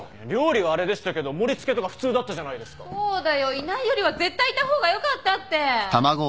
いないよりは絶対いた方がよかったって。